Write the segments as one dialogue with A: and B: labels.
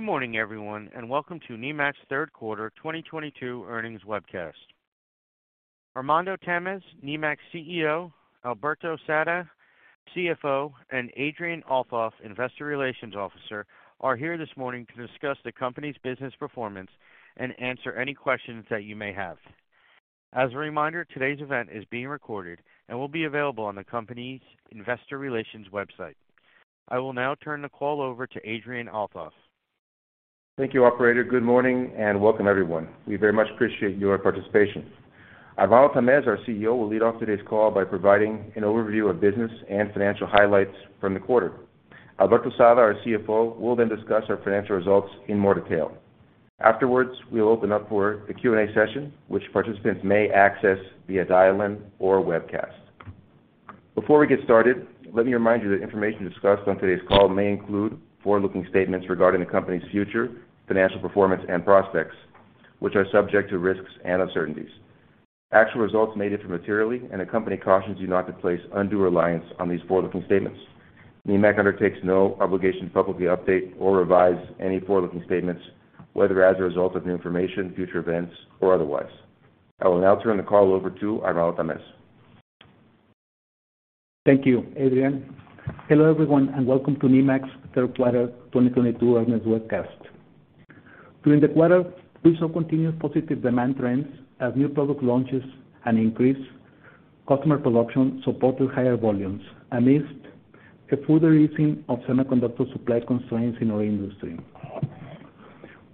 A: Good morning everyone and welcome to Nemak's Q3 2022 earnings webcast. Armando Tamez, Nemak's CEO, Alberto Sada, CFO, and Adrian Althoff, Investor Relations Officer are here this morning to discuss the company's business performance and answer any questions that you may have. As a reminder, today's event is being recorded and will be available on the company's investor relations website. I will now turn the call over to Adrian Althoff.
B: Thank you, operator. Good morning and welcome everyone. We very much appreciate your participation. Armando Tamez, our CEO, will lead off today's call by providing an overview of business and financial highlights from the quarter. Alberto Sada, our CFO, will then discuss our financial results in more detail. Afterwards, we will open up for the Q&A session, which participants may access via dial-in or webcast. Before we get started, let me remind you that information discussed on today's call may include forward-looking statements regarding the company's future financial performance and prospects, which are subject to risks and uncertainties. Actual results may differ materially, and the company cautions you not to place undue reliance on these forward-looking statements. Nemak undertakes no obligation to publicly update or revise any forward-looking statements, whether as a result of new information, future events, or otherwise. I will now turn the call over to Armando Tamez.
C: Thank you, Adrian. Hello everyone and welcome to Nemak's Q3 2022 earnings webcast. During the quarter, we saw continued positive demand trends as new product launches and increased customer production supported higher volumes amidst a further easing of semiconductor supply constraints in our industry.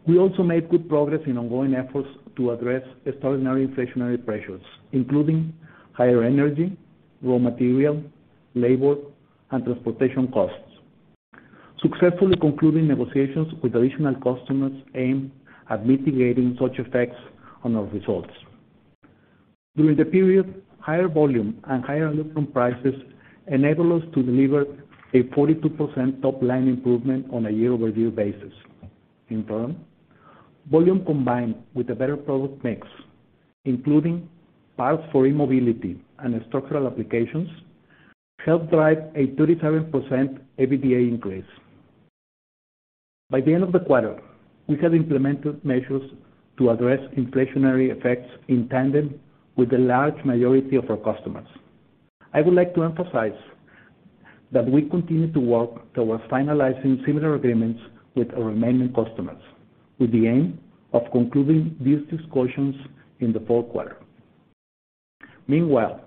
C: We also made good progress in ongoing efforts to address extraordinary inflationary pressures, including higher energy, raw material, labor, and transportation costs, successfully concluding negotiations with additional customers aimed at mitigating such effects on our results. During the period, higher volume and higher aluminum prices enabled us to deliver a 42% top line improvement on a year-over-year basis. In turn, volume combined with a better product mix, including parts for e-mobility and structural applications, helped drive a 37% EBITDA increase. By the end of the quarter, we have implemented measures to address inflationary effects in tandem with the large majority of our customers. I would to emphasize that we continue to work towards finalizing similar agreements with our remaining customers with the aim of concluding these discussions in the Q4. Meanwhile,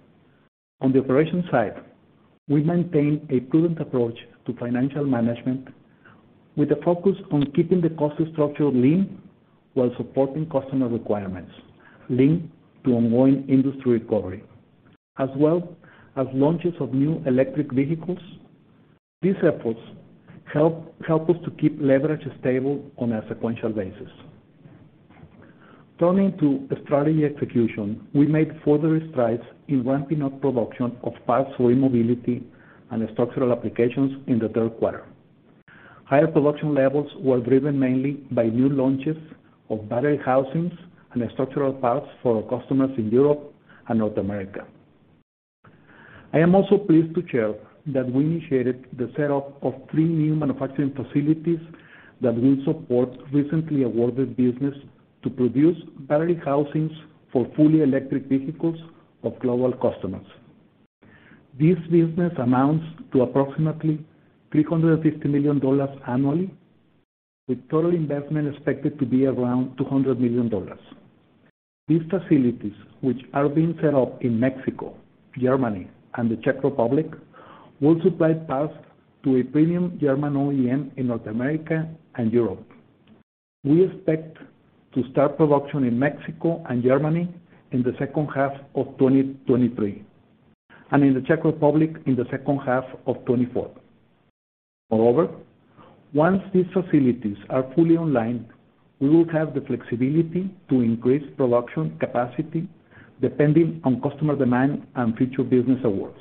C: on the operations side, we maintain a prudent approach to financial management with a focus on keeping the cost structure lean while supporting customer requirements linked to ongoing industry recovery, as launches of new electric vehicles. These efforts help us to keep leverage stable on a sequential basis. Turning to strategy execution, we made further strides in ramping up production of parts for e-mobility and structural applications in the Q3. Higher production levels were driven mainly by new launches of battery housings and structural parts for our customers in Europe and North America. I am also pleased to share that we initiated the set up of three new manufacturing facilities that will support recently awarded business to produce battery housings for fully electric vehicles of global customers. This business amounts to approximately $350 million annually, with total investment expected to be around $200 million. These facilities, which are being set up in Mexico, Germany, and the Czech Republic, will supply parts to a premium German OEM in North America and Europe. We expect to start production in Mexico and Germany in the second half of 2023, and in the Czech Republic in the second half of 2024. Moreover, once these facilities are fully online, we will have the flexibility to increase production capacity depending on customer demand and future business awards.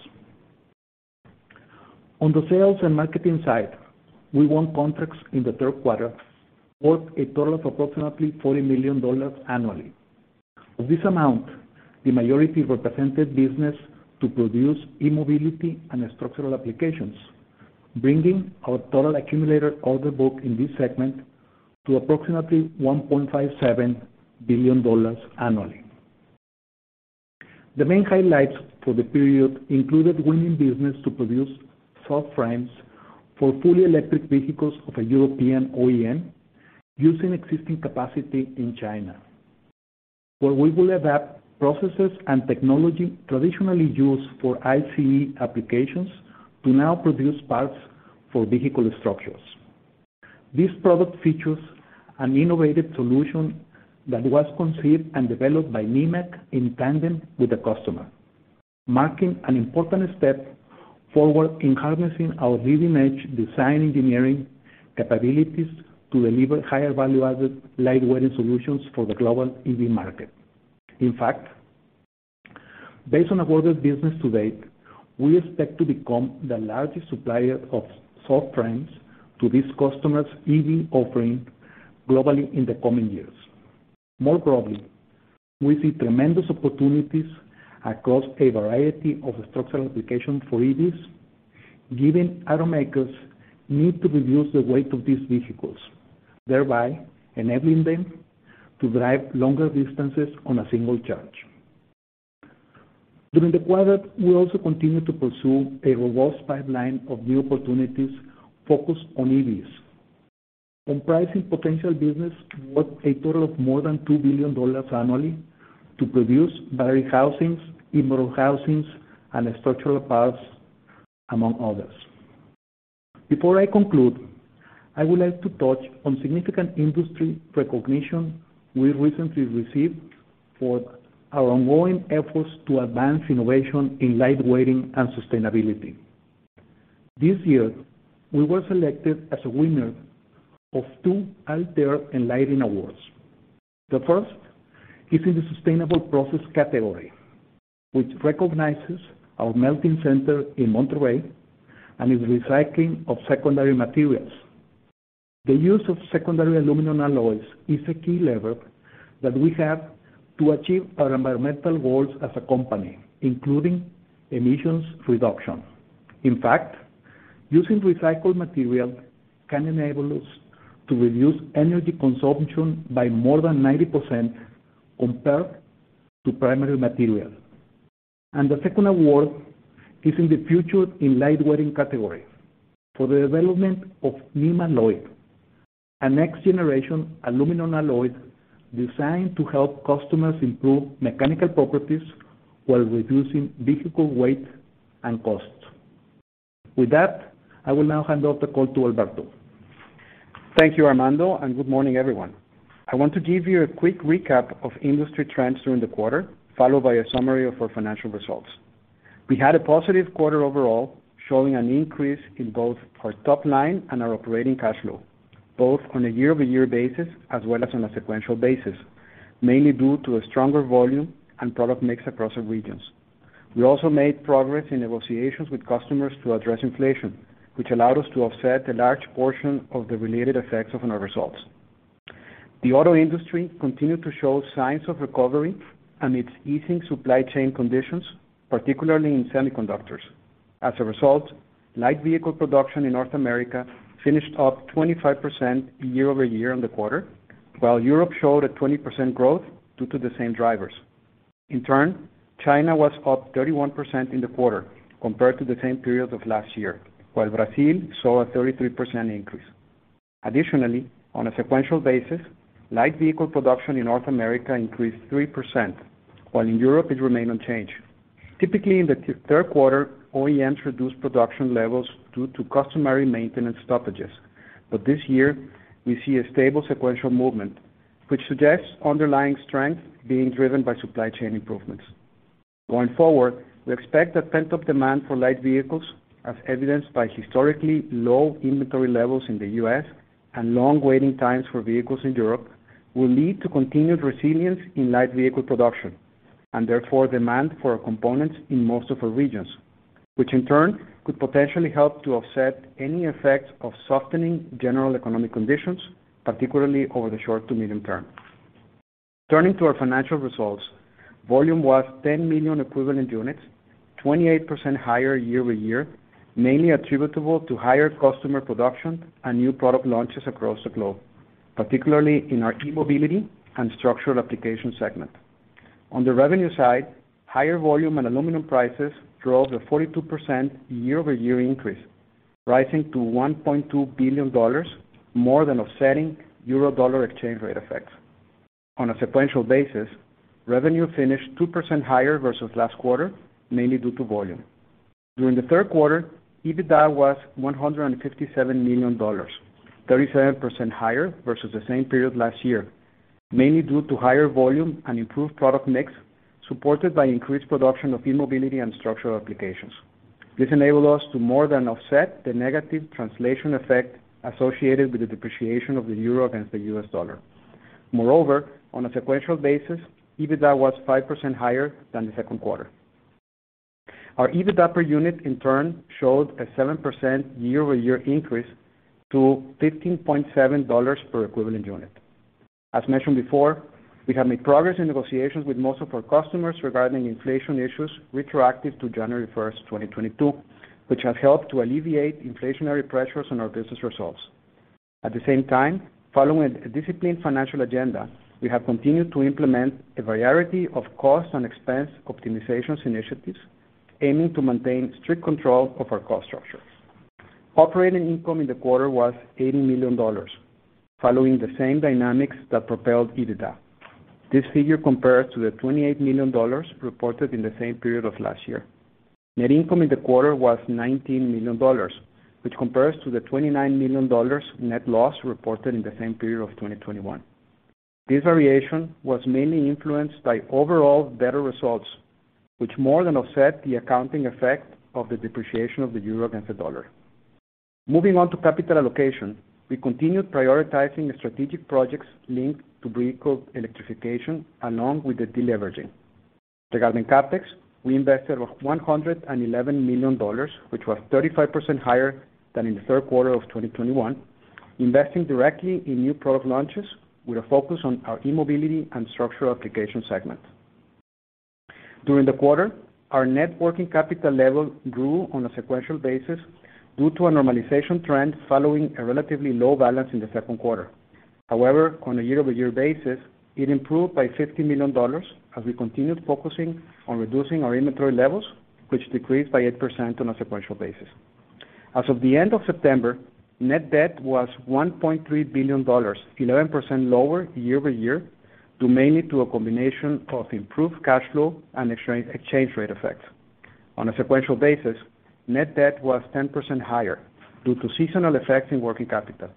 C: On the sales and marketing side, we won contracts in the Q3 worth a total of approximately $40 million annually. Of this amount, the majority represented business to produce e-mobility and structural applications, bringing our total accumulated order book in this segment to approximately $1.57 billion annually. The main highlights for the period included winning business to produce cell frames for fully electric vehicles of a European OEM using existing capacity in China, where we will adapt processes and technology traditionally used for ICE applications to now produce parts for vehicle structures. This product features an innovative solution that was conceived and developed by Nemak in tandem with the customer, marking an important step forward in harnessing our leading edge design engineering capabilities to deliver higher value-added light weighting solutions for the global EV market. In fact, based on awarded business to date, we expect to become the largest supplier of cell frames to these customers' EV offering globally in the coming years. More broadly, we see tremendous opportunities across a variety of structural applications for EVs, given automakers need to reduce the weight of these vehicles, thereby enabling them to drive longer distances on a single charge. During the quarter, we also continued to pursue a robust pipeline of new opportunities focused on EVs, comprising potential business worth a total of more than $2 billion annually to produce battery housings, e-motor housings, and structural parts, among others. Before I conclude, I would to touch on significant industry recognition we recently received for our ongoing efforts to advance innovation in lightweighting and sustainability. This year, we were selected as a winner of two Altair Enlighten Awards. The first is in the sustainable process category, which recognizes our melting center in Monterrey and its recycling of secondary materials. The use of secondary aluminum alloys is a key lever that we have to achieve our environmental goals as a company, including emissions reduction. In fact, using recycled material can enable us to reduce energy consumption by more than 90% compared to primary material. The second award is in the Future in Lightweighting category for the development of new alloy, a next-generation aluminum alloy designed to help customers improve mechanical properties while reducing vehicle weight and costs. With that, I will now hand off the call to Alberto.
D: Thank you, Armando, and good morning, everyone. I want to give you a quick recap of industry trends during the quarter, followed by a summary of our financial results. We had a positive quarter overall, showing an increase in both our top line and our operating cash flow, both on a year-over-year basis as on a sequential basis, mainly due to a stronger volume and product mix across our regions. We also made progress in negotiations with customers to address inflation, which allowed us to offset a large portion of the related effects on our results. The auto industry continued to show signs of recovery amidst easing supply chain conditions, particularly in semiconductors. As a result, light vehicle production in North America finished up 25% year-over-year on the quarter, while Europe showed a 20% growth due to the same drivers. In turn, China was up 31% in the quarter compared to the same period of last year, while Brazil saw a 33% increase. Additionally, on a sequential basis, light vehicle production in North America increased 3%, while in Europe it remained unchanged. Typically, in the Q3, OEMs reduce production levels due to customary maintenance stoppages. But this year, we see a stable sequential movement, which suggests underlying strength being driven by supply chain improvements. Going forward, we expect that pent-up demand for light vehicles, as evidenced by historically low inventory levels in the U.S. and long waiting times for vehicles in Europe, will lead to continued resilience in light vehicle production, and therefore, demand for components in most of our regions, which in turn could potentially help to offset any effect of softening general economic conditions, particularly over the short to medium term. Turning to our financial results, volume was 10 million equivalent units, 28% higher year-over-year, mainly attributable to higher customer production and new product launches across the globe, particularly in our e-mobility and structural application segment. On the revenue side, higher volume and aluminum prices drove the 42% year-over-year increase, rising to $1.2 billion, more than offsetting euro-dollar exchange rate effects. On a sequential basis, revenue finished 2% higher versus last quarter, mainly due to volume. During the Q3, EBITDA was $157 million, 37% higher versus the same period last year, mainly due to higher volume and improved product mix, supported by increased production of e-mobility and structural applications. This enabled us to more than offset the negative translation effect associated with the depreciation of the euro against the US dollar. Moreover, on a sequential basis, EBITDA was 5% higher than the Q2. Our EBITDA per unit, in turn, showed a 7% year-over-year increase to $15.7 per equivalent unit. As mentioned before, we have made progress in negotiations with most of our customers regarding inflation issues retroactive to January 1, 2022, which has helped to alleviate inflationary pressures on our business results. At the same time, following a disciplined financial agenda, we have continued to implement a variety of cost and expense optimization initiatives aiming to maintain strict control of our cost structures. Operating income in the quarter was $80 million, following the same dynamics that propelled EBITDA. This figure compares to the $28 million reported in the same period of last year. Net income in the quarter was $19 million, which compares to the $29 million net loss reported in the same period of 2021. This variation was mainly influenced by overall better results, which more than offset the accounting effect of the depreciation of the euro against the dollar. Moving on to capital allocation. We continued prioritizing strategic projects linked to vehicle electrification along with the deleveraging. Regarding CapEx, we invested $111 million, which was 35% higher than in the Q3 of 2021, investing directly in new product launches with a focus on our e-mobility and structural application segment. During the quarter, our net working capital level grew on a sequential basis due to a normalization trend following a relatively low balance in the Q2. However, on a year-over-year basis, it improved by $50 million as we continued focusing on reducing our inventory levels, which decreased by 8% on a sequential basis. As of the end of September, net debt was $1.3 billion, 11% lower year-over-year, due mainly to a combination of improved cash flow and exchange rate effects. On a sequential basis, net debt was 10% higher due to seasonal effects in working capital.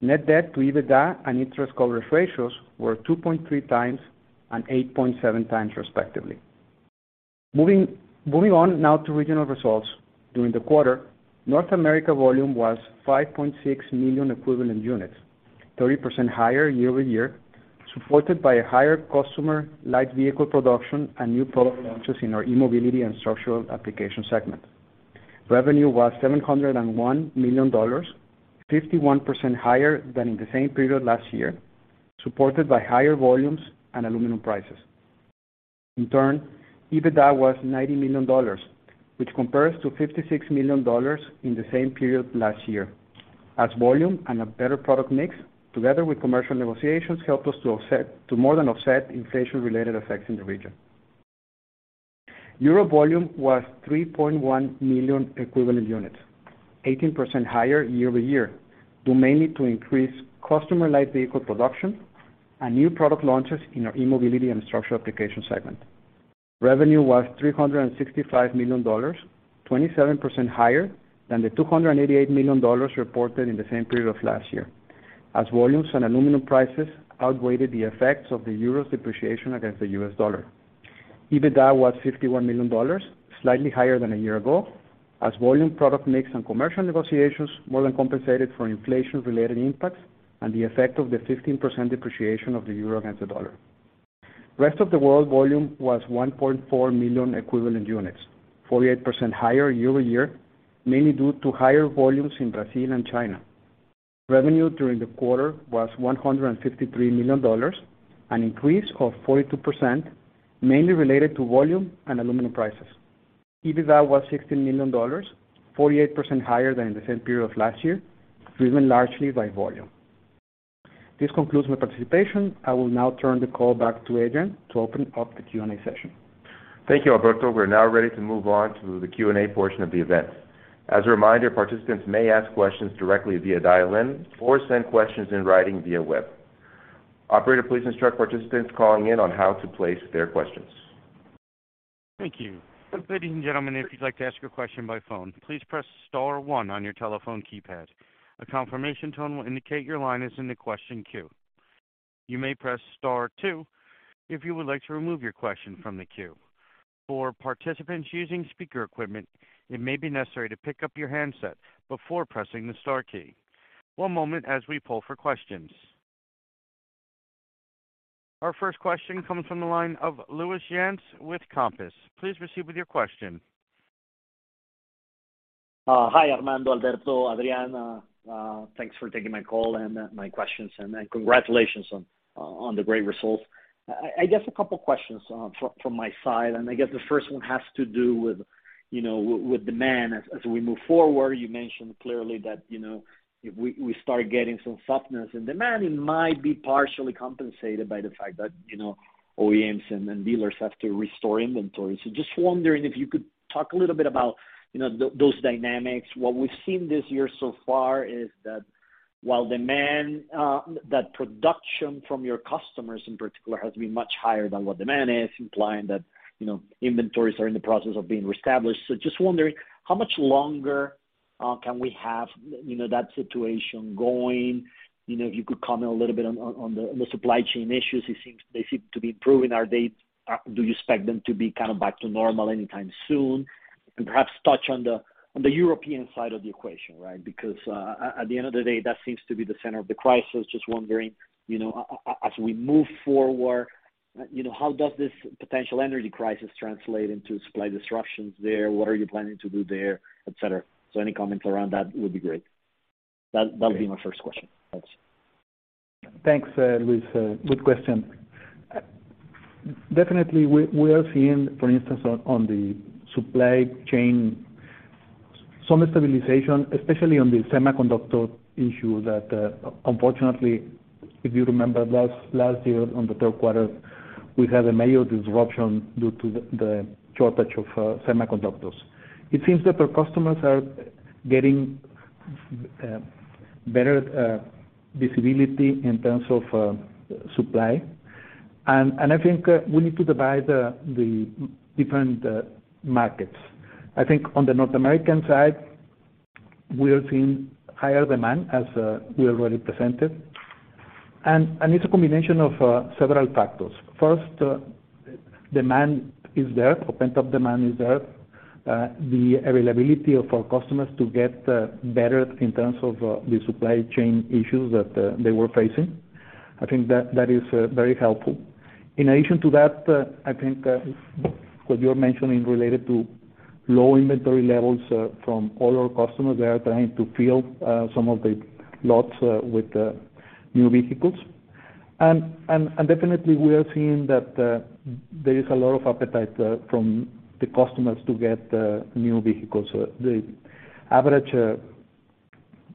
D: Net debt to EBITDA and interest coverage ratios were 2.3 times and 8.7 times, respectively. Moving on now to regional results. During the quarter, North America volume was 5.6 million equivalent units, 30% higher year-over-year, supported by a higher customer light vehicle production and new product launches in our e-mobility and structural application segment. Revenue was $701 million, 51% higher than in the same period last year, supported by higher volumes and aluminum prices. In turn, EBITDA was $90 million, which compares to $56 million in the same period last year, as volume and a better product mix, together with commercial negotiations, helped us to more than offset inflation-related effects in the region. Europe volume was 3.1 million equivalent units, 18% higher year-over-year, due mainly to increased customer light vehicle production and new product launches in our e-mobility and structural application segment. Revenue was $365 million, 27% higher than the $288 million reported in the same period of last year, as volumes and aluminum prices outweighed the effects of the euro's depreciation against the US dollar. EBITDA was $51 million, slightly higher than a year ago, as volume product mix and commercial negotiations more than compensated for inflation-related impacts and the effect of the 15% depreciation of the euro against the dollar. Rest of the world volume was 1.4 million equivalent units, 48% higher year-over-year, mainly due to higher volumes in Brazil and China. Revenue during the quarter was $153 million, an increase of 42%, mainly related to volume and aluminum prices. EBITDA was $16 million, 48% higher than the same period of last year, driven largely by volume. This concludes my participation. I will now turn the call back to Adrian to open up the Q&A session.
B: Thank you, Alberto. we are now ready to move on to the Q&A portion of the event. As a reminder, participants may ask questions directly via dial-in or send questions in writing via web. Operator, please instruct participants calling in on how to place their questions.
A: Thank you. Ladies and gentlemen, if you'd to ask your question by phone, please press star one on your telephone keypad. A confirmation tone will indicate your line is in the question queue. You may press star two if you would to remove your question from the queue. For participants using speaker equipment, it may be necessary to pick up your handset before pressing the star key. One moment as we pull for questions. Our first question comes from the line of Louis Yen with Compass. Please proceed with your question.
E: Hi, Armando, Alberto, Adrian. Thanks for taking my call and my questions, and then congratulations on the great results. I guess a couple questions from my side, and I guess the first one has to do with, with demand as we move forward. You mentioned clearly that, if we start getting some softness in demand, it might be partially compensated by the fact that, OEMs and then dealers have to restore inventory. Just wondering if you could talk a little bit about, those dynamics. What we've seen this year so far is that while demand that production from your customers in particular has been much higher than what demand is, implying that, inventories are in the process of being reestablished. Just wondering how much longer can we have, that situation going? if you could comment a little bit on the supply chain issues. It seems they seem to be improving. Do you expect them to be kind of back to normal anytime soon? Perhaps touch on the European side of the equation, right? Because at the end of the day, that seems to be the center of the crisis. Just wondering, as we move forward, how does this potential energy crisis translate into supply disruptions there? What are you planning to do there, et cetera? Any comments around that would be great. That'll be my first question. Thanks.
D: Thanks, Louis. Good question. Definitely we are seeing, for instance, on the supply chain, some stabilization, especially on the semiconductor issue that, unfortunately, if you remember last year on the Q3, we had a major disruption due to the shortage of semiconductors. It seems that our customers are getting better visibility in terms of supply. I think we need to divide the different markets. I think on the North American side, we are seeing higher demand as we already presented. it is a combination of several factors. First, demand is there, pent-up demand is there, the availability of our customers to get better in terms of the supply chain issues that they were facing. I think that is very helpful. In addition to that, I think what you're mentioning related to low inventory levels from all our customers, they are trying to fill some of the lots with new vehicles. Definitely we are seeing that there is a lot of appetite from the customers to get new vehicles. The average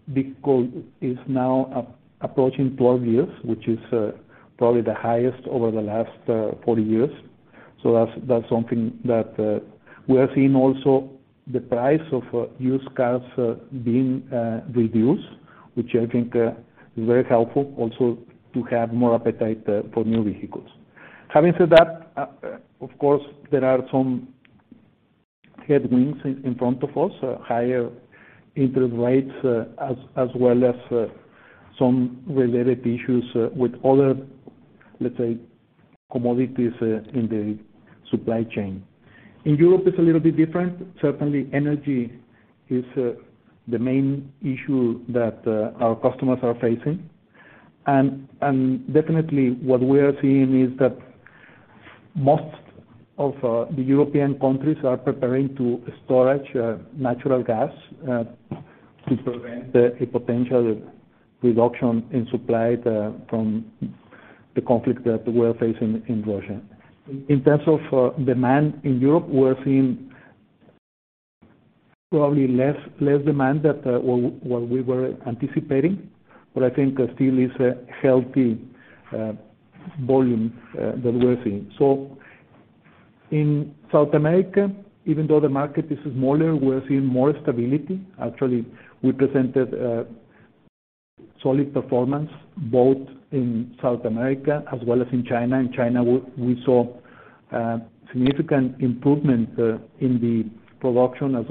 D: vehicle is now approaching 12 years, which is probably the highest over the last 40 years. That's something that we are seeing also the price of used cars being reduced, which I think is very helpful also to have more appetite for new vehicles. Having said that, of course, there are some headwinds in front of us, higher interest rates, as some related issues with other, let's say, commodities in the supply chain. In Europe it is a little bit different. Certainly energy is the main issue that our customers are facing. Definitely what we are seeing is that most of the European countries are preparing to store natural gas to prevent a potential reduction in supply from the conflict that we are facing in Russia. In terms of demand in Europe, we are seeing probably less demand than what we were anticipating. I think there still is a healthy volume that we are seeing. In South America, even though the market is smaller, we are seeing more stability. we presented a solid performance both in South America as in China. In China, we saw significant improvement in the production as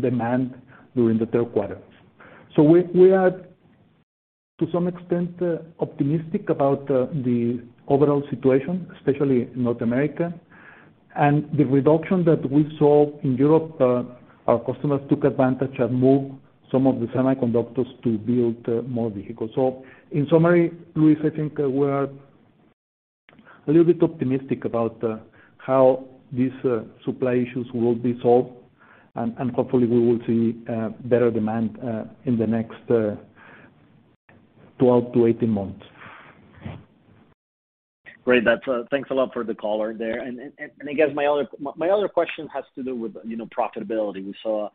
D: demand during the Q3. We are, to some extent, optimistic about the overall situation, especially in North America. The reduction that we saw in Europe, our customers took advantage and moved some of the semiconductors to build more vehicles. In summary, Luis, I think we are a little bit optimistic about how these supply issues will be solved. Hopefully we will see better demand in the next 12-18 months.
E: Great. That's thanks a lot for the color there. I guess my other question has to do with, profitability. We saw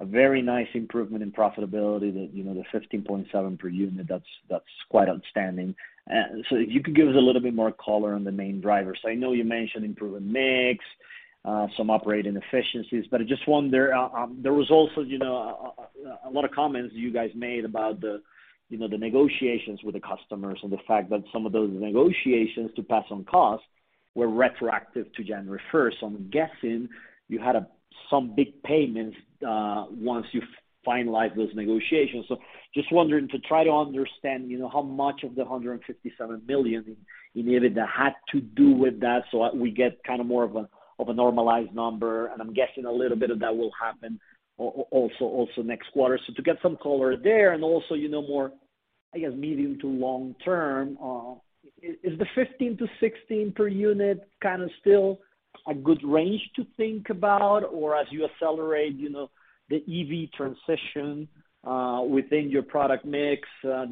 E: a very nice improvement in profitability that, the 15.7 per unit. That's quite outstanding. If you could give us a little bit more color on the main drivers. I know you mentioned improving mix, some operating efficiencies, but I just wonder, there was also, a lot of comments you guys made about the, the negotiations with the customers and the fact that some of those negotiations to pass on costs were retroactive to January first. I'm guessing you had some big payments once you finalized those negotiations. Just wondering to try to understand, how much of the $157 million in EBITDA had to do with that so that we get kind of more of a normalized number. I'm guessing a little bit of that will happen also next quarter. To get some color there and also, more, I guess, medium to long term, the $15-$16 per unit kind of still a good range to think about? Or as you accelerate, the EV transition within your product mix,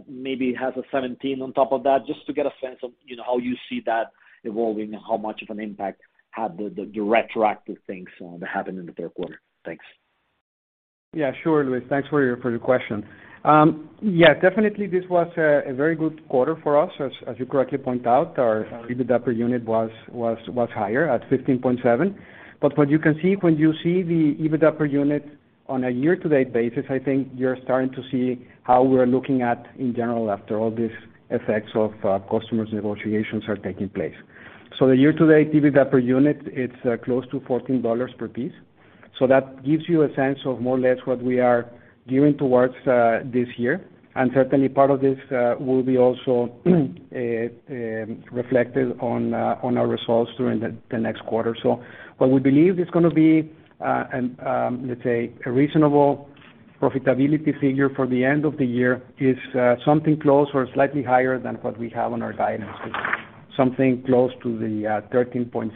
E: maybe it has a $17 on top of that, just to get a sense of, how you see that evolving and how much of an impact had the retroactive things that happened in the Q3. Thanks.
D: Sure, Luis. Thanks for your question. Definitely this was a very good quarter for us. As you correctly point out, our EBITDA per unit was higher at $15.7. But what you can see when you see the EBITDA per unit on a year-to-date basis, I think you're starting to see how we are looking at in general after all these effects of customers' negotiations are taking place. So the year-to-date EBITDA per unit, it is close to $14 per piece. So that gives you a sense of more or less what we are gearing towards this year. Certainly part of this will be also reflected on our results during the next quarter. What we believe is gonna be, let's say a reasonable profitability figure for the end of the year is something close or slightly higher than what we have on our guidance, something close to the $13.7,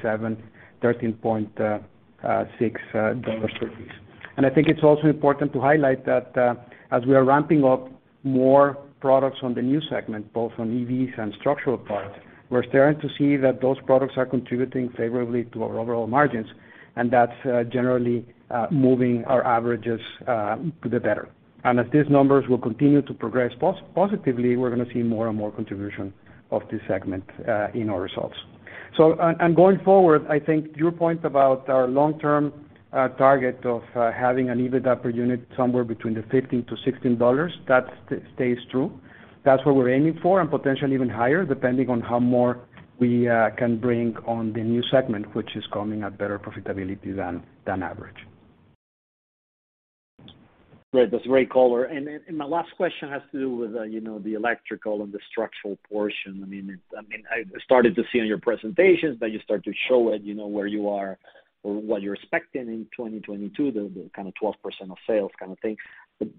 D: $13.6 per piece. I think it is also important to highlight that as we are ramping up more products on the new segment, both on EVs and structural parts, we are starting to see that those products are contributing favorably to our overall margins, and that's generally moving our averages to the better. As these numbers will continue to progress positively, we are gonna see more and more contribution of this segment in our results. Going forward, I think your point about our long-term target of having an EBITDA per unit somewhere between $15-$16, that stays true. That's what we are aiming for, and potentially even higher, depending on how much more we can bring on the new segment, which is coming at better profitability than average.
E: Great. That's great color. My last question has to do with, the electrical and the structural portion.I started to see on your presentations that you start to show it, where you are or what you're expecting in 2022, the kind of 12% of sales kind of thing.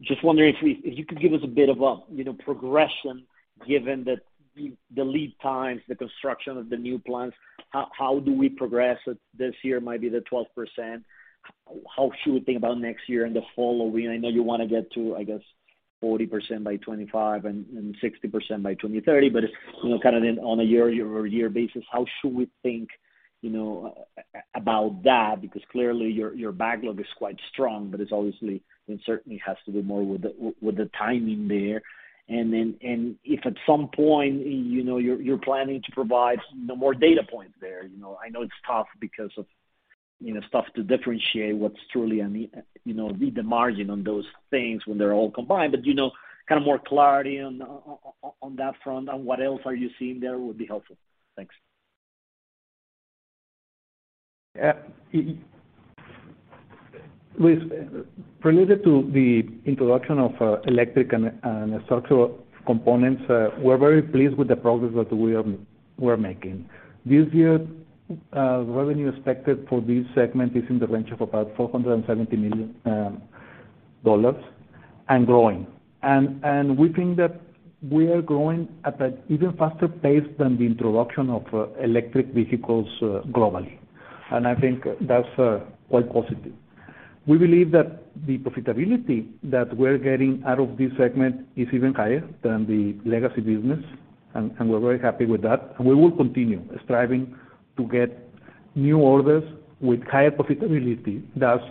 E: Just wondering if you could give us a bit of a, progression given the lead times, the construction of the new plants. How do we progress it? This year might be the 12%. How should we think about next year and the following? I know you wanna get to, I guess, 40% by 2025 and sixty percent by 2030. It is, kind of in on a year-over-year basis, how should we think, about that? Because clearly your backlog is quite strong, but it is obviously and certainly has to do more with the timing there. If at some point, you're planning to provide, more data points there, you know. I know it is tough because of, stuff to differentiate what's truly on the margin on those things when they're all combined, but, kind of more clarity on that front and what else are you seeing there would be helpful. Thanks.
D: Related to the introduction of electric and structural components, we are very pleased with the progress that we are making. This year, revenue expected for this segment is in the range of about $470 million and growing. We think that we are growing at a even faster pace than the introduction of electric vehicles globally. I think that's all positive. We believe that the profitability that we are getting out of this segment is even higher than the legacy business, and we are very happy with that. We will continue striving to get new orders with higher profitability. That's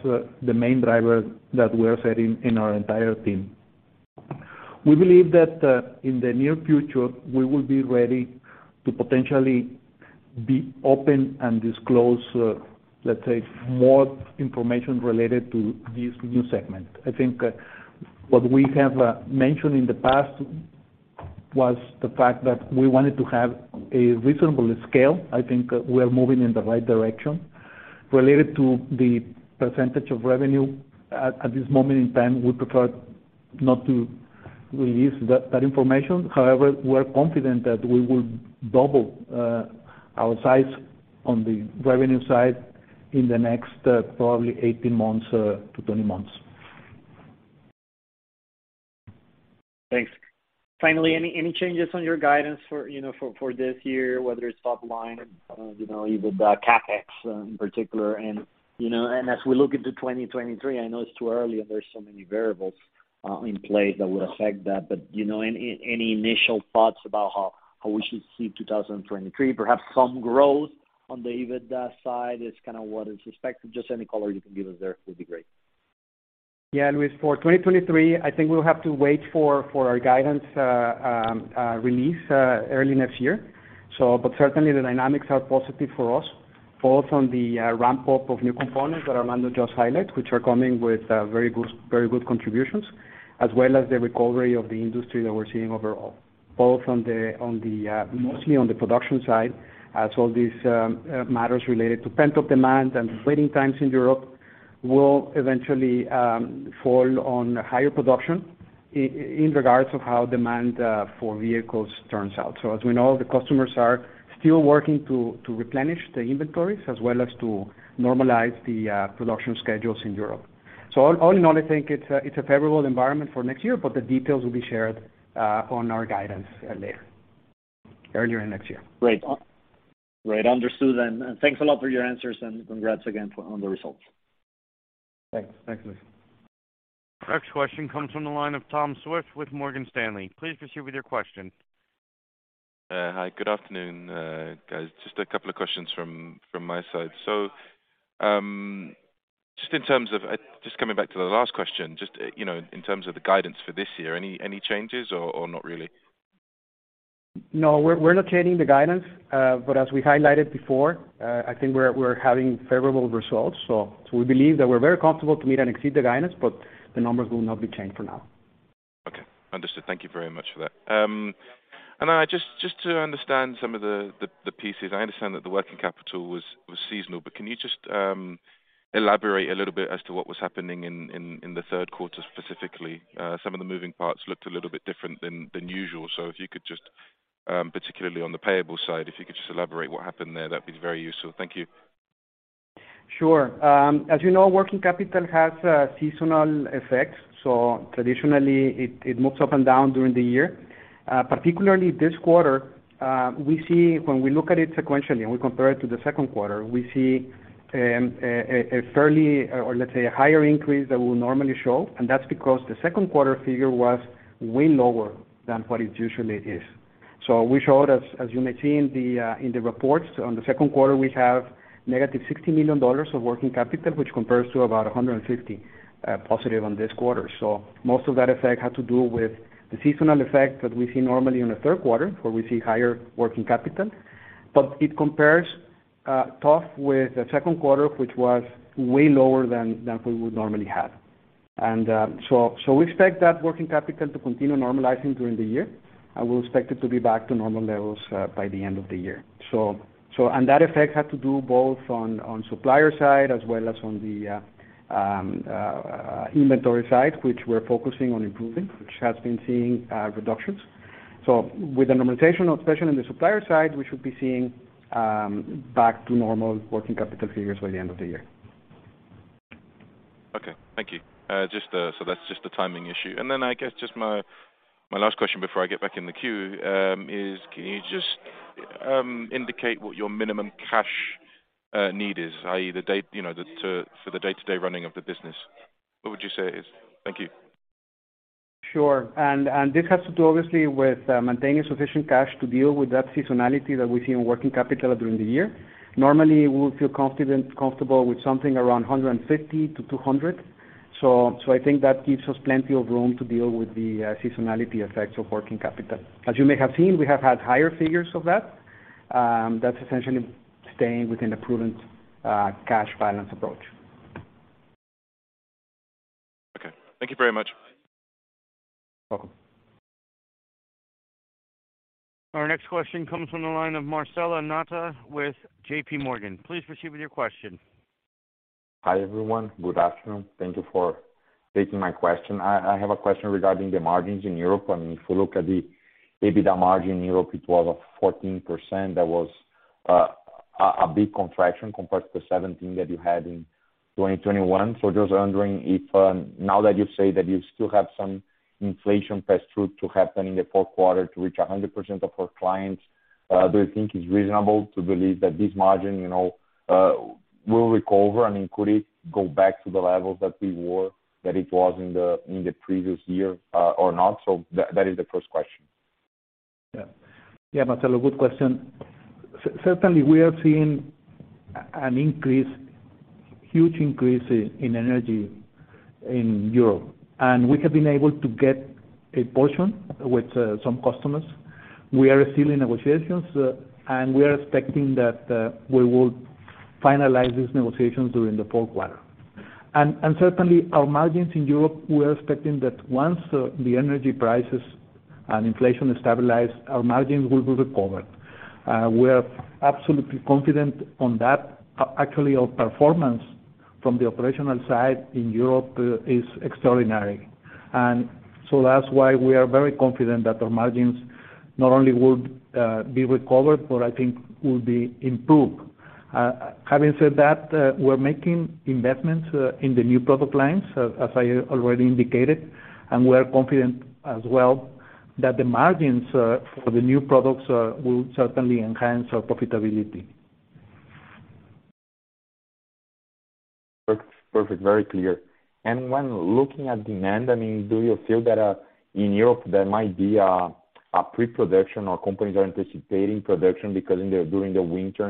D: the main driver that we are setting in our entire team. We believe that in the near future, we will be ready to potentially be open and disclose, let's say, more information related to this new segment. I think what we have mentioned in the past was the fact that we wanted to have a reasonable scale. I think we are moving in the right direction. Related to the percentage of revenue, at this moment in time, we prefer not to release that information. However, we are confident that we will double our size on the revenue side in the next probably 18 months to 20 months.
E: Thanks. Finally, any changes on your guidance for, for this year, whether it is top line, even the CapEx in particular? as we look into 2023, I know it is too early and there's so many variables in play that will affect that. any initial thoughts about how we should see 2023? Perhaps some growth on the EBITDA side is kind of what is expected. Just any color you can give us there would be great.
D: Luis Yance, for 2023, I think we'll have to wait for our guidance release early next year. But certainly the dynamics are positive for us, both on the ramp-up of new components that Armando Tamez just highlighted, which are coming with very good contributions, as the recovery of the industry that we are seeing overall, both mostly on the production side as all these matters related to pent-up demand and waiting times in Europe will eventually fall on higher production in regards of how demand for vehicles turns out. As we know, the customers are still working to replenish the inventories as to normalize the production schedules in Europe. All in all, I think it is a favorable environment for next year, but the details will be shared on our guidance earlier in next year.
E: Great. Understood. Thanks a lot for your answers and congrats again on the results.
D: Thanks.
C: Thanks Louis.
A: Next question comes from the line of Tom Swift with Morgan Stanley. Please proceed with your question.
F: Hi. Good afternoon, guys. Just a couple of questions from my side. Just in terms of just coming back to the last question, just, in terms of the guidance for this year, any changes or not really?
D: No. we are not changing the guidance. As we highlighted before, I think we are having favorable results. We believe that we are very comfortable to meet and exceed the guidance, but the numbers will not be changed for now.
F: Okay. Understood. Thank you very much for that. I just to understand some of the pieces. I understand that the working capital was seasonal, but can you just elaborate a little bit as to what was happening in the Q3 specifically? Some of the moving parts looked a little bit different than usual. If you could just particularly on the payable side, if you could just elaborate what happened there, that'd be very useful. Thank you.
D: Sure. As working capital has seasonal effects, so traditionally, it moves up and down during the year. Particularly this quarter, we see when we look at it sequentially, and we compare it to the Q2, we see a fairly or let's say, a higher increase than we normally show, and that's because the Q2 figure was way lower than what it usually is. We showed, as you may see in the reports on the Q2, we have -$60 million of working capital, which compares to about $150 million positive on this quarter. Most of that effect had to do with the seasonal effect that we see normally in the Q3, where we see higher working capital. It compares tough with the Q2, which was way lower than we would normally have. We expect that working capital to continue normalizing during the year, and we'll expect it to be back to normal levels by the end of the year. And that effect had to do both on the supplier side, as on the inventory side, which we are focusing on improving, which has been seeing reductions. With the normalization, especially on the supplier side, we should be seeing back to normal working capital figures by the end of the year.
F: Okay. Thank you. Just so that's just a timing issue. Then I guess just my last question before I get back in the queue is can you just indicate what your minimum cash need is for the day-to-day running of the business, what would you say it is? Thank you.
D: Sure. This has to do obviously with maintaining sufficient cash to deal with that seasonality that we see in working capital during the year. Normally, we'll feel confident, comfortable with something around $150-$200. I think that gives us plenty of room to deal with the seasonality effects of working capital. As you may have seen, we have had higher figures of that. That's essentially staying within a prudent cash balance approach.
F: Okay. Thank you very much.
C: Welcome.
A: Our next question comes from the line of Marcelo Motta with J.P. Morgan. Please proceed with your question.
G: Hi, everyone. Good afternoon. Thank you for taking my question. I have a question regarding the margins in Europe. if you look at the margin in Europe, it was 14%. That was a big contraction compared to the 17% that you had in 2021. Just wondering if now that you say that you still have some inflation pass-through to happen in the Q4 to reach 100% of our clients, do you think it is reasonable to believe that this margin, will recover? could it go back to the levels that it was in the previous year, or not? That is the first question.
D: Marcello, good question. Certainly, we are seeing an increase, huge increase in energy in Europe, and we have been able to get a portion with some customers. We are still in negotiations, and we are expecting that we will finalize these negotiations during the Q4. Certainly our margins in Europe, we are expecting that once the energy prices and inflation is stabilized, our margins will be recovered. we are absolutely confident on that. our performance from the operational side in Europe is extraordinary. That's why we are very confident that our margins not only would be recovered, but I think will be improved. Having said that, we are making investments in the new product lines as I already indicated, and we are confident that the margins for the new products will certainly enhance our profitability.
G: When looking at demand, do you feel that in Europe there might be a pre-production or companies are anticipating production because during the winter,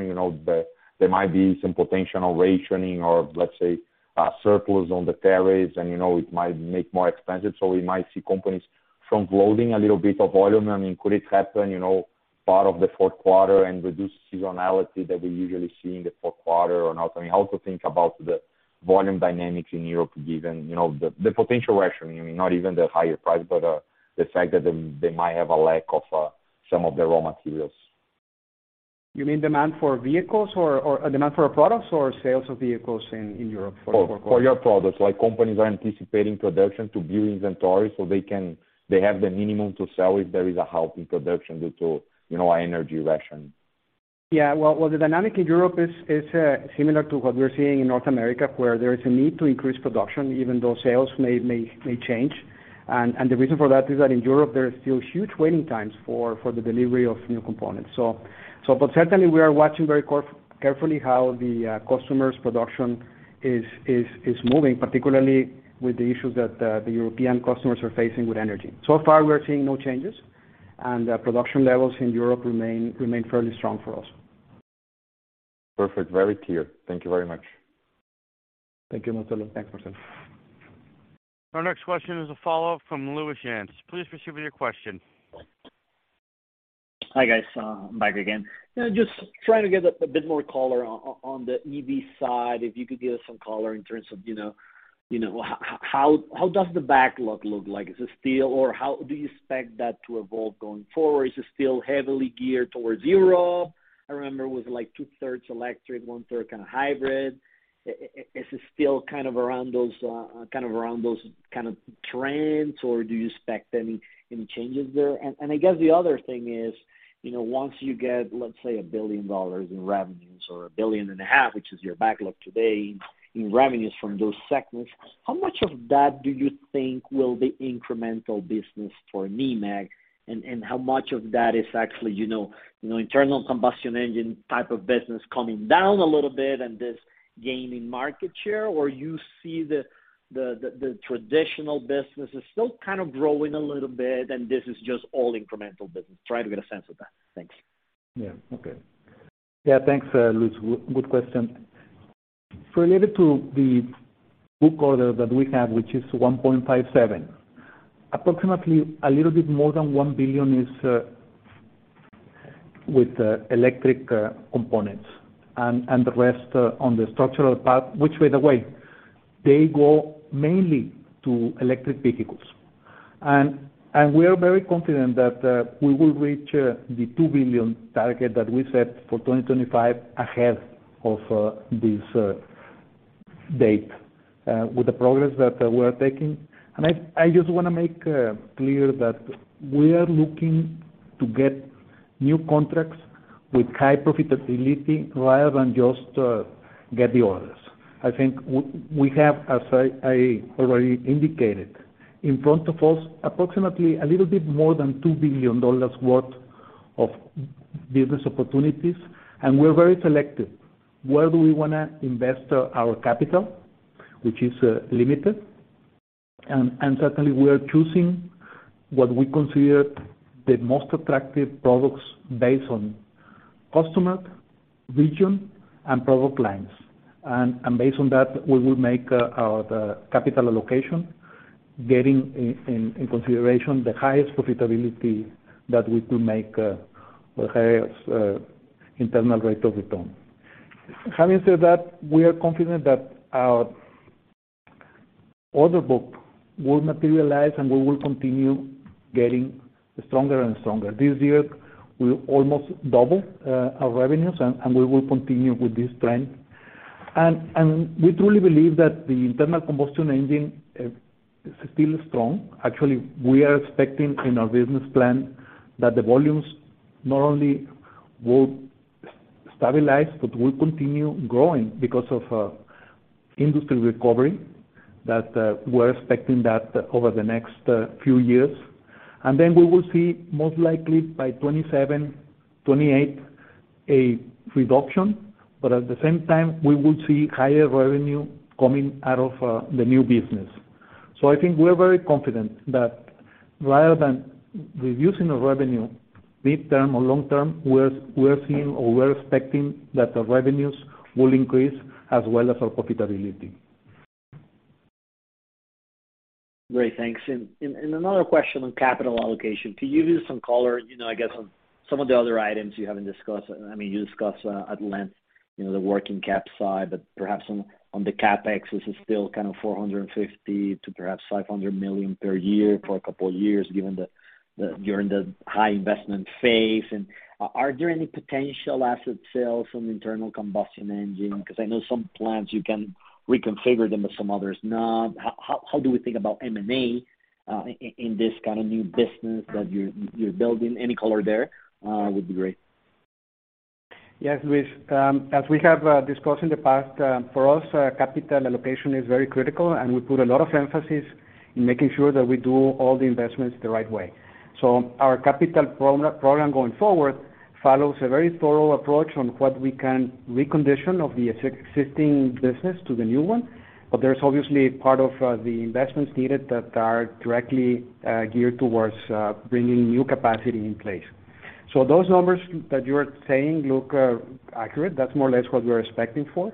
G: there might be some potential rationing or let's say, a surplus on the ferries and, it might make more expensive, so we might see companies front-loading a little bit of volume. could it happen, part of the Q4 and reduce seasonality that we usually see in the Q4 or not? how to think about the volume dynamics in Europe, given, the potential rationing. not even the higher price, but the fact that they might have a lack of some of their raw materials.
D: You mean demand for vehicles or demand for our products or sales of vehicles in Europe for the Q4?
G: For your products, companies are anticipating production to build inventory so they can have the minimum to sell if there is a halt in production due to, energy rationing.
C: The dynamic in Europe is similar to what we are seeing in North America, where there is a need to increase production, even though sales may change. The reason for that is that in Europe there are still huge waiting times for the delivery of new components. Certainly we are watching very carefully how the customers' production is moving, particularly with the issues that the European customers are facing with energy. So far we are seeing no changes, and production levels in Europe remain fairly strong for us.
G: Perfect. Very clear. Thank you very much.
C: Thank you, Marcello.
A: Our next question is a follow-up from Luis Yance. Please proceed with your question.
H: Hi, guys. I'm back again. just trying to get a bit more color on the EV side, if you could give us some color in terms of, how does the backlog look? Is it still, or how do you expect that to evolve going forward? Is it still heavily geared towards Europe? I remember it was two-thirds electric, one-third kind of hybrid. Is it still kind of around those kind of trends, or do you expect any changes there? I guess the other thing is, once you get, let's say, $1 billion in revenues or $1.5 billion, which is your backlog today in revenues from those sectors, how much of that do you think will be incremental business for Nemak? How much of that is internal combustion engine type of business coming down a little bit and this gaining market share? Or you see the traditional business is still kind of growing a little bit and this is just all incremental business. Trying to get a sense of that. Thanks.
C: Okay. Thanks, Luis. Good question. Related to the book order that we have, which is 1.57, approximately a little bit more than $1 billion with electric components and the rest on the structural part, which by the way, they go mainly to electric vehicles. We are very confident that we will reach the $2 billion target that we set for 2025 ahead of this date with the progress that we are taking. I just want to make clear that we are looking to get new contracts with high profitability rather than just get the orders. I think we have, as I already indicated, in front of us, approximately a little bit more than $2 billion worth of business opportunities, and we are very selective. Where do we wanna invest our capital, which is limited? Certainly we are choosing what we consider the most attractive products based on customer, region, and product lines. Based on that, we will make our capital allocation, getting in consideration the highest profitability that we could make, the highest internal rate of return. Having said that, we are confident that our order book will materialize, and we will continue getting stronger and stronger. This year, we almost double our revenues and we will continue with this trend. We truly believe that the internal combustion engine is still strong. we are expecting in our business plan that the volumes not only will stabilize, but will continue growing because of industry recovery that we are expecting over the next few years. We will see most ly by 2027, 2028, a reduction, but at the same time, we will see higher revenue coming out of the new business. I think we are very confident that rather than reducing our revenue mid-term or long term, we are seeing or we are expecting that the revenues will increase as our profitability.
E: Great. Thanks. Another question on capital allocation. Can you give some color, I guess, on some of the other items you haven't discussed? you discussed at length, the working cap side, but perhaps on the CapEx. This is still kind of $450 million-$500 million per year for a couple of years, given that you're in the high investment phase. Are there any potential asset sales from internal combustion engine? 'Cause I know some plants you can reconfigure them, but some others not. How do we think about M&A in this kind of new business that you're building? Any color there would be great.
D: Yes, Luis. As we have discussed in the past, for us, capital allocation is very critical, and we put a lot of emphasis in making sure that we do all the investments the right way. Our capital program going forward follows a very thorough approach on what we can recondition of the existing business to the new one. There's obviously part of the investments needed that are directly geared towards bringing new capacity in place. Those numbers that you're saying look accurate. That's more or less what we are expecting for.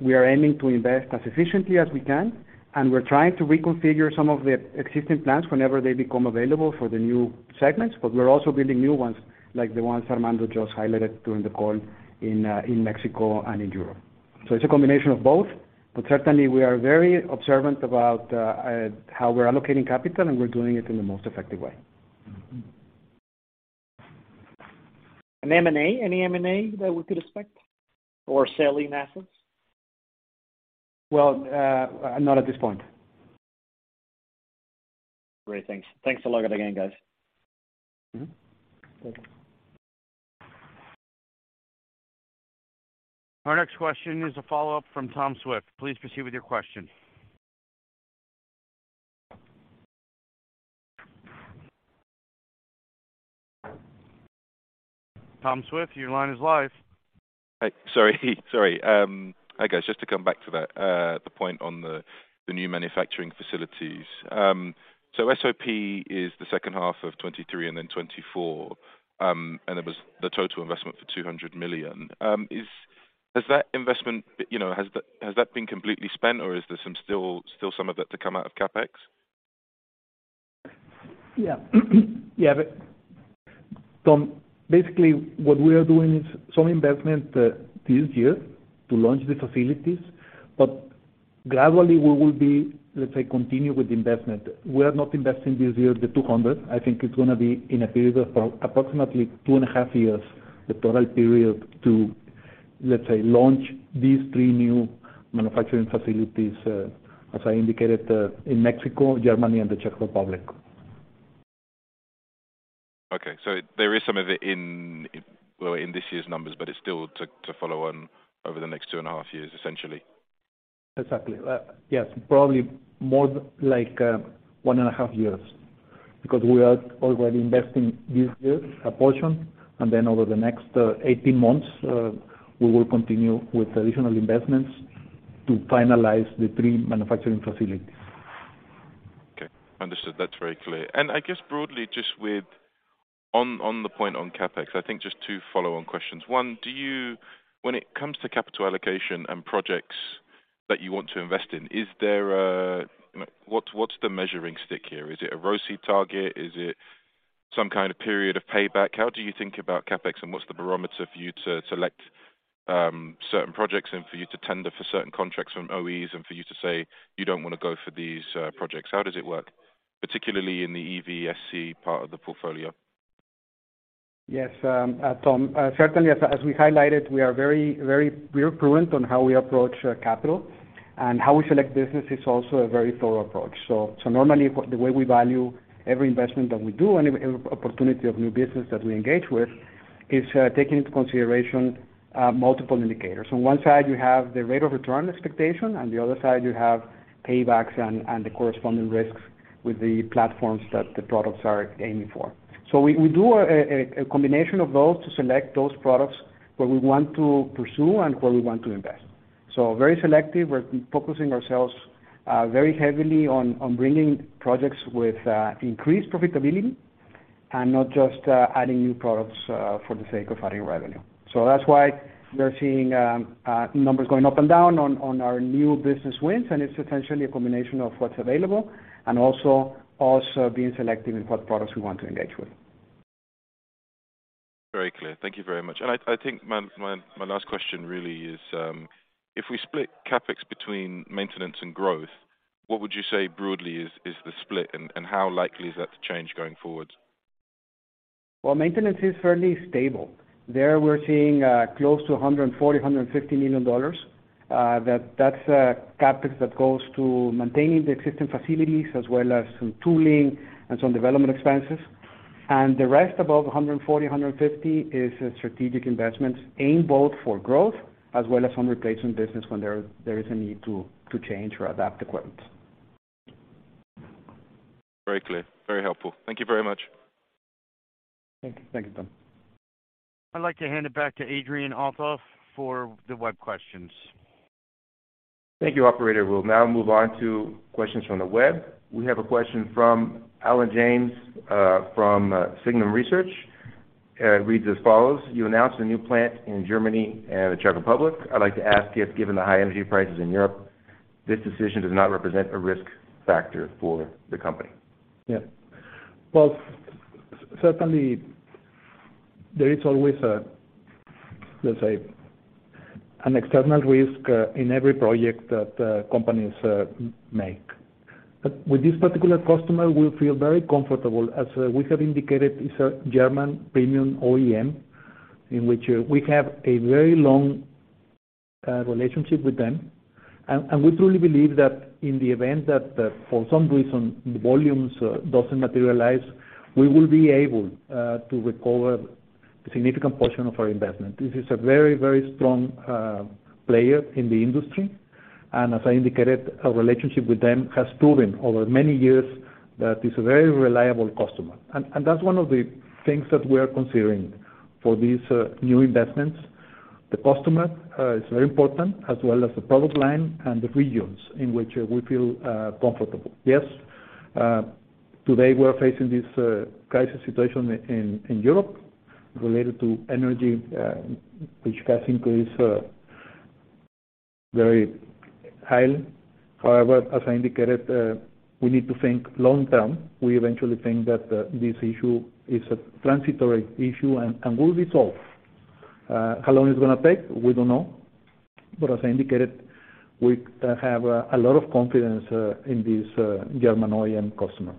D: We are aiming to invest as efficiently as we can, and we are trying to reconfigure some of the existing plants whenever they become available for the new segments.
C: we are also building new ones, the ones Armando just highlighted during the call in Mexico and in Europe. it is a combination of both. Certainly we are very observant about how we are allocating capital, and we are doing it in the most effective way.
H: M&A, any M&A that we could expect or selling assets?
C: Not at this point.
H: Great. Thanks. Thanks a lot again, guys.
C: Mm-hmm. Thank you.
A: Our next question is a follow-up from Tom Swift. Please proceed with your question. Tom Swift, your line is live.
F: Hi. Sorry. Hi, guys. Just to come back to that, the point on the new manufacturing facilities. SOP is the second half of 2023 and then 2024. It was the total investment for $200 million. Has that investment, been completely spent, or is there still some of it to come out of CapEx?
C: Tom, basically what we are doing is some investment this year to launch the facilities, but gradually we will be, let's say, continue with the investment. We are not investing this year the $200. I think it is gonna be in a period of approximately two and a half years, the total period to, let's say, launch these 3 new manufacturing facilities, as I indicated, in Mexico, Germany, and the Czech Republic.
F: There is some of it in this year's numbers, but it is still to follow on over the next two and a half years, essentially.
C: Exactly. Yes, probably more one and a half years because we are already investing this year a portion, and then over the next 18 months, we will continue with additional investments to finalize the 3 manufacturing facilities.
F: Okay. Understood. That's very clear. I guess broadly, just with on the point on CapEx, I think just two follow-on questions. One, When it comes to capital allocation and projects that you want to invest in, What's the measuring stick here? Is it a ROCE target? Is it some kind of period of payback? How do you think about CapEx, and what's the barometer for you to select certain projects and for you to tender for certain contracts from OEMs and for you to say you don't wanna go for these projects? How does it work, particularly in the EV/SC part of the portfolio?
C: Yes, Tom, certainly as we highlighted, we are very prudent on how we approach our capital. How we select business is also a very thorough approach. Normally, the way we value every investment that we do and every opportunity of new business that we engage with is taking into consideration multiple indicators. On one side, you have the rate of return expectation, on the other side, you have paybacks and the corresponding risks with the platforms that the products are aiming for. We do a combination of those to select those products where we want to pursue and where we want to invest. Very selective. we are focusing ourselves very heavily on bringing projects with increased profitability and not just adding new products for the sake of adding revenue. That's why we are seeing numbers going up and down on our new business wins, and it is essentially a combination of what's available and also being selective in what products we want to engage with.
F: Very clear. Thank you very much. I think my last question really is, if we split CapEx between maintenance and growth, what would you say broadly is the split and how ly is that to change going forward?
D: Maintenance is fairly stable. There we are seeing close to $140 million-$150 million. That's CapEx that goes to maintaining the existing facilities as some tooling and some development expenses. The rest above $140-$150 million is strategic investments aimed both for growth as some replacement business when there is a need to change or adapt equipment.
F: Very clear. Very helpful. Thank you very much.
C: Thank you, Tom.
A: I'd to hand it back to Adrian Althoff for the web questions.
B: Thank you, operator. We'll now move on to questions from the web. We have a question from Alan James from Signum Research. It reads as follows: You announced a new plant in Germany and the Czech Republic. I'd to ask if, given the high energy prices in Europe, this decision does not represent a risk factor for the company.
C: Yes. Certainly there is always a, let's say, an external risk in every project that companies make. With this particular customer, we feel very comfortable. As we have indicated, it is a German premium OEM in which we have a very long relationship with them. We truly believe that in the event that, for some reason, the volumes doesn't materialize, we will be able to recover a significant portion of our investment. This is a very, very strong player in the industry. As I indicated, our relationship with them has proven over many years that it is a very reliable customer. That's one of the things that we are considering for these new investments. The customer is very important, as the product line and the regions in which we feel comfortable. Yes, today we are facing this crisis situation in Europe related to energy, which has increased very high. However, as I indicated, we need to think long-term. We eventually think that this issue is a transitory issue and will resolve. How long it is gonna take, we don't know. As I indicated, we have a lot of confidence in this German OEM customer.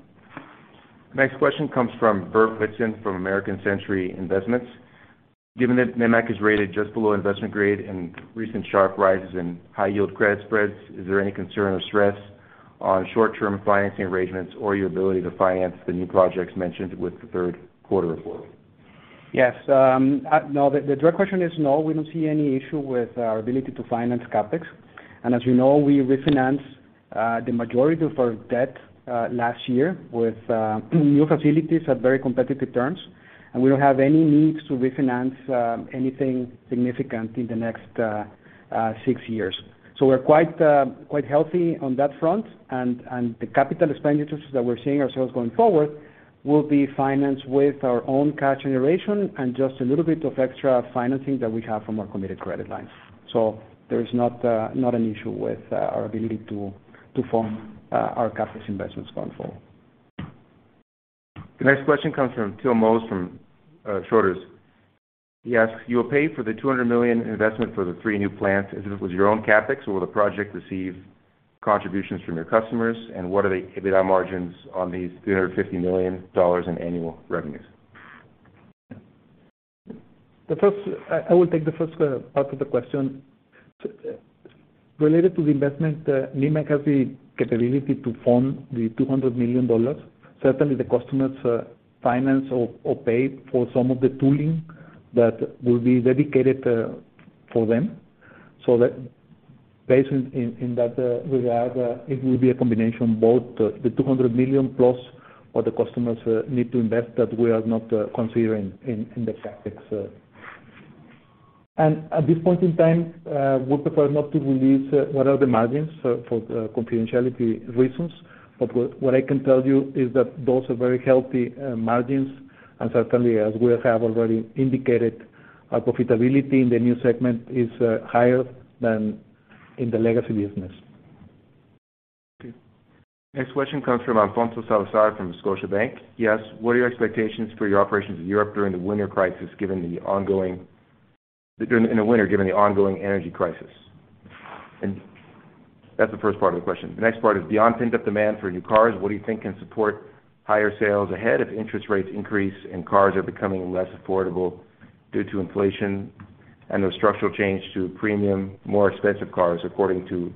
B: Next question comes from Bert Mitchener from American Century Investments. Given that Nemak is rated just below investment grade and recent sharp rises in high yield credit spreads, is there any concern or stress on short-term financing arrangements or your ability to finance the new projects mentioned with the Q3 report?
D: Yes. No, the direct question is no, we don't see any issue with our ability to finance CapEx. As we refinanced the majority of our debt last year with new facilities at very competitive terms. We don't have any needs to refinance anything significant in the next six years. we are quite healthy on that front. The capital expenditures that we are seeing ourselves going forward will be financed with our own cash generation and just a little bit of extra financing that we have from our committed credit lines. There's not an issue with our ability to fund our CapEx investments going forward.
B: The next question comes from Till Moser from Schroders. He asks: Will you pay for the $200 million investment for the three new plants, is it your own CapEx or will the project receive contributions from your customers? And what are the EBITDA margins on these $350 million in annual revenues?
D: I will take the first part of the question. it is related to the investment, Nemak has the capability to fund the $200 million. Certainly, the customers finance or pay for some of the tooling that will be dedicated for them. In that regard, it will be a combination, both the $200 million plus what the customers need to invest that we are not considering in the CapEx. At this point in time, we prefer not to release what the margins are for confidentiality reasons. What I can tell you is that those are very healthy margins. Certainly, as we have already indicated, our profitability in the new segment is higher than in the legacy business.
B: Okay. Next question comes from Alfonso Salazar from Scotiabank. He asks: What are your expectations for your operations in Europe during the winter, given the ongoing energy crisis? And that's the first part of the question. The next part is beyond pent-up demand for new cars, what do you think can support higher sales ahead if interest rates increase and cars are becoming less affordable due to inflation and the structural change to premium, more expensive cars according to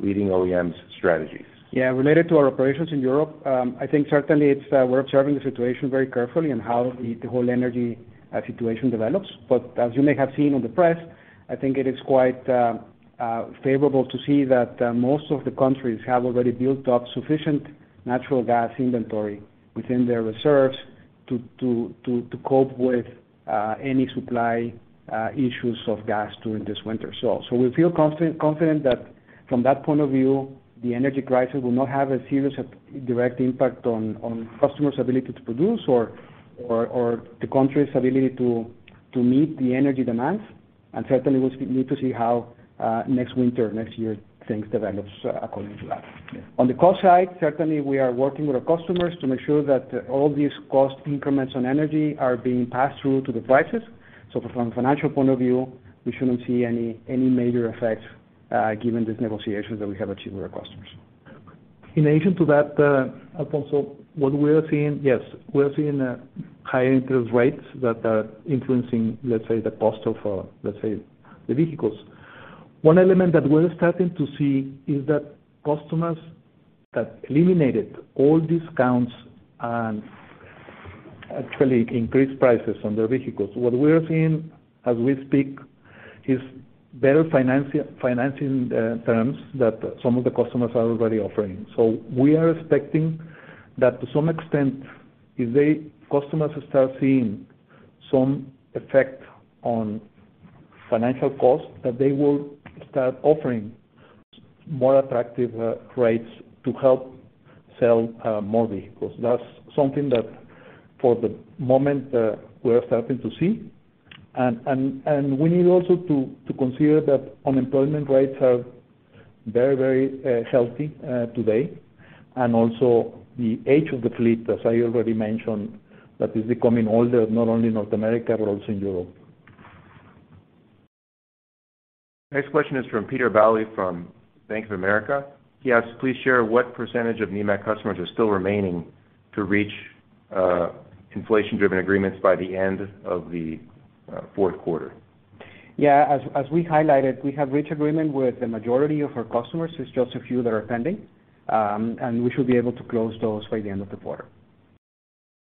B: leading OEMs strategies?
C: Related to our operations in Europe, I think certainly we are observing the situation very carefully and how the whole energy situation develops. As you may have seen in the press, I think it is quite favorable to see that most of the countries have already built up sufficient natural gas inventory within their reserves to cope with any supply issues of gas during this winter. We feel confident that from that point of view, the energy crisis will not have a serious direct impact on customers' ability to produce or the country's ability to meet the energy demands. Certainly we need to see how next winter, next year things develops according to that. On the cost side, certainly we are working with our customers to make sure that all these cost increments on energy are being passed through to the prices. From financial point of view, we shouldn't see any major effects, given these negotiations that we have achieved with our customers.
B: Okay.
C: In addition to that, Alfonso, what we are seeing, yes, we are seeing higher interest rates that are influencing, let's say, the cost of, let's say, the vehicles. One element that we are starting to see is that customers have eliminated all discounts and increased prices on their vehicles. What we are seeing as we speak is better financing terms that some of the customers are already offering. We are expecting that to some extent, if they, customers start seeing some effect on financial costs, that they will start offering more attractive rates to help sell more vehicles. That's something that for the moment we are starting to see. We need also to consider that unemployment rates are very healthy today. The age of the fleet, as I already mentioned, that is becoming older, not only in North America, but also in Europe.
B: Next question is from Peter Valley from Bank of America. He asks, "Please share what percentage of Nemak customers are still remaining to reach inflation-driven agreements by the end of the Q4?
D: As we highlighted, we have reached agreement with the majority of our customers. It is just a few that are pending. We should be able to close those by the end of the quarter.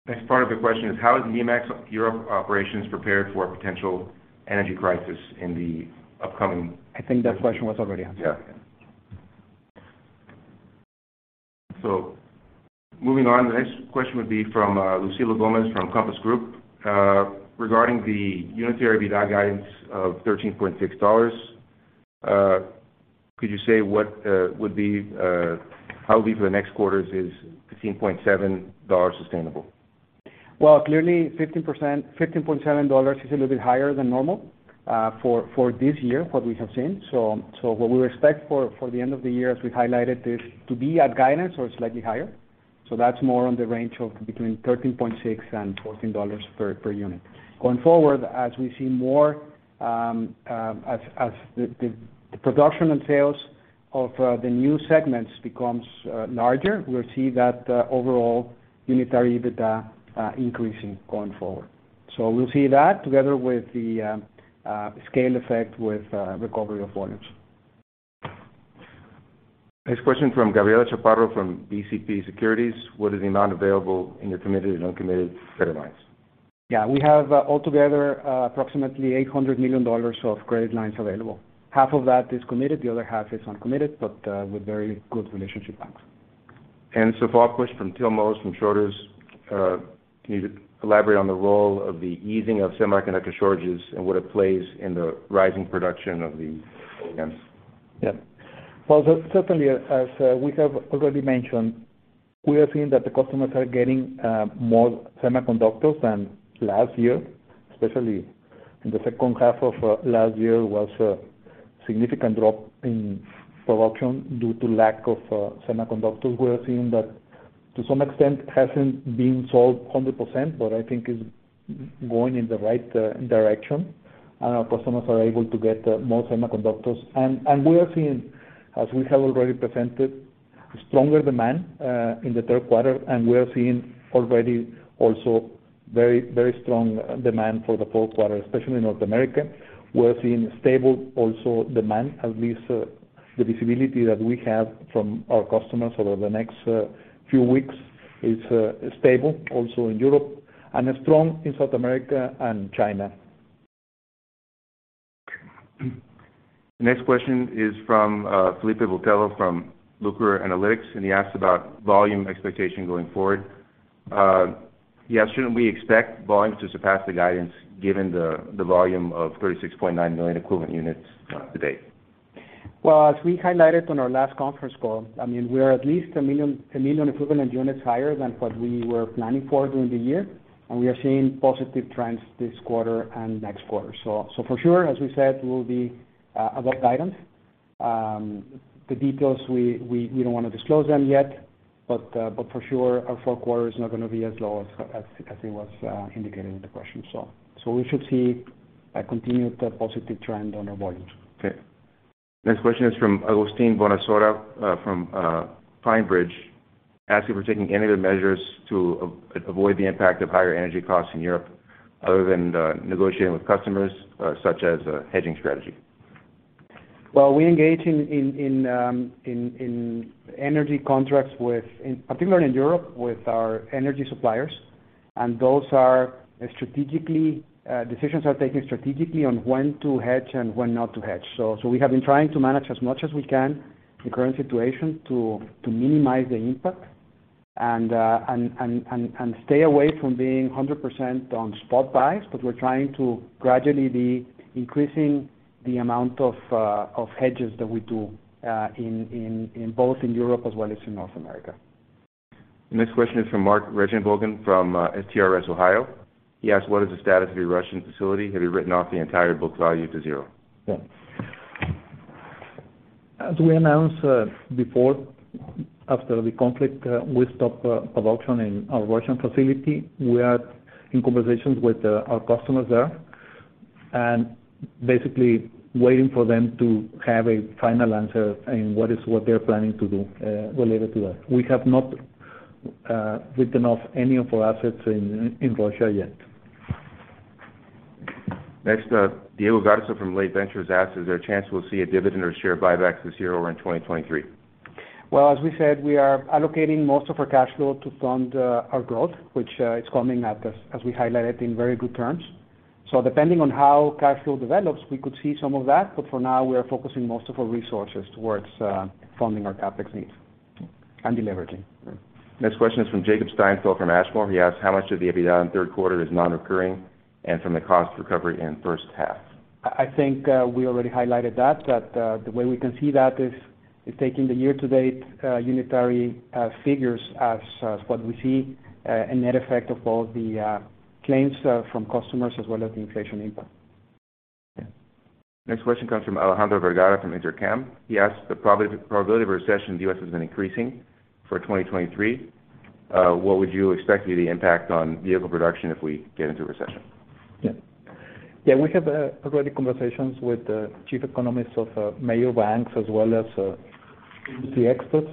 B: Next part of the question is how is Nemak's European operations prepared for a potential energy crisis in the upcoming.
C: I think that question was already answered.
B: Moving on, the next question would be from Lucila Gomez from Compass Group. Regarding the unitary EBITDA guidance of $13.6, could you say what would be how it'll be for the next quarters is $15.7 sustainable?
D: Clearly $15.7 is a little bit higher than normal for this year, what we have seen. What we expect for the end of the year, as we highlighted, is to be at guidance or slightly higher. That's more on the range of between $13.6 and $14 per unit. Going forward, as we see more, as the production and sales of the new segments becomes larger, we'll see that overall unitary EBITDA increasing going forward. We'll see that together with the scale effect with recovery of volumes.
B: Next question from Gabriela Chaparro from BCP Securities. "What is the amount available in your committed and uncommitted credit lines?
D: We have altogether approximately $800 million of credit lines available. Half of that is committed, the other half is uncommitted, but with very good relationship banks.
B: Follow-up question from Till Moser from Schroders. Can you elaborate on the role of the easing of semiconductor shortages and what it plays in the rising production of the OEMs?
C: Yes. Certainly, as we have already mentioned, we are seeing that the customers are getting more semiconductors than last year, especially in the second half of last year was a significant drop in production due to lack of semiconductors. We are seeing that to some extent hasn't been solved 100%, but I think is going in the right direction. Our customers are able to get more semiconductors. We are seeing, as we have already presented, stronger demand in the Q3, and we are seeing already also very, very strong demand for the Q4, especially in North America. We are seeing stable also demand, at least the visibility that we have from our customers over the next few weeks is stable also in Europe and strong in South America and China.
B: Next question is from Filipe Botelho from Lucror Analytics, and he asks about volume expectation going forward. Shouldn't we expect volumes to surpass the guidance given the volume of 36.9 million equivalent units to date?
D: As we highlighted on our last conference call, we are at least 1 million equivalent units higher than what we were planning for during the year, and we are seeing positive trends this quarter and next quarter. For sure, as we said, we'll be above guidance. The details, we don't wanna disclose them yet. For sure, our Q4 is not gonna be as low as it was indicated in the question. We should see a continued positive trend on our volumes.
B: Okay. Next question is from Agustín Bonasora from PineBridge Investments, asking if we are taking any of the measures to avoid the impact of higher energy costs in Europe, other than negotiating with customers, such as hedging strategy.
D: We engage in energy contracts with our energy suppliers, in particular in Europe. Those are strategic decisions taken strategically on when to hedge and when not to hedge. We have been trying to manage as much as we can the current situation to minimize the impact, and stay away from being 100% on spot buys. we are trying to gradually be increasing the amount of hedges that we do in both in Europe as in North America.
B: Next question is from Mark Regenbogen from STRS Ohio. He asks, "What is the status of your Russian facility? Have you written off the entire book value to zero?
C: As we announced before, after the conflict, we stopped production in our Russian facility. We are in conversations with our customers there, and basically waiting for them to have a final answer in what they're planning to do, related to that. We have not written off any of our assets in Russia yet.
B: Next, Diego Garza from Lay Ventures asks, "Is there a chance we'll see a dividend or share buyback this year or in 2023?
D: As we said, we are allocating most of our cash flow to fund our growth, which is coming at us, as we highlighted, in very good terms. Depending on how cash flow develops, we could see some of that, but for now, we are focusing most of our resources towards funding our CapEx needs and deleveraging.
B: Next question is from Jacob Steinfeld from Ashmore. He asks, "How much of the EBITDA in Q3 is non-recurring, and from the cost recovery in first half?
D: I think we already highlighted that the way we can see that is taking the year-to-date unitary figures as what we see a net effect of all the claims from customers as the inflation impact.
B: Next question comes from Alejandro Vergara from Intercam. He asks, "The probability of recession in the U.S. has been increasing for 2023. What would you expect to be the impact on vehicle production if we get into a recession?
C: Yes. We have already conversations with the chief economists of major banks as industry experts.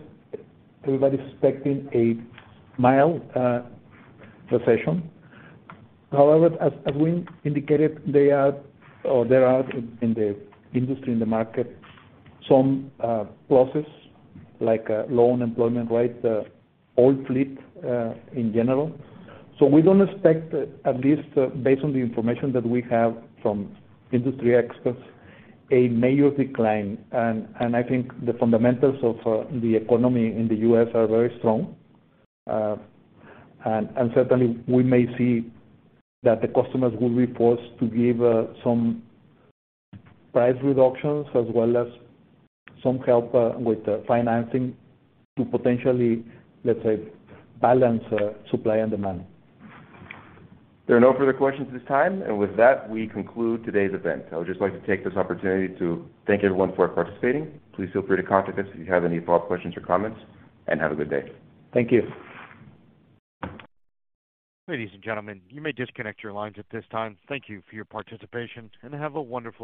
C: Everybody's expecting a mild recession. However, as we indicated, there are in the industry, in the market, some positives, low unemployment rate, old fleet in general. We don't expect, at least based on the information that we have from industry experts, a major decline. I think the fundamentals of the economy in the US are very strong. Certainly we may see that the customers will request to give some price reductions as some help with financing to potentially, let's say, balance supply and demand.
B: There are no further questions at this time. With that, we conclude today's event. I would just to take this opportunity to thank everyone for participating. Please feel free to contact us if you have any follow-up questions or comments, and have a good day.
C: Thank you.
A: Ladies and gentlemen, you may disconnect your lines at this time. Thank you for your participation, and have a wonderful day.